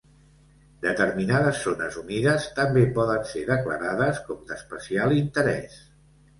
Determinades zones humides també poden ser declarades com d'especial interès.